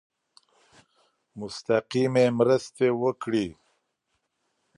مستقیمي مرستي وکړي.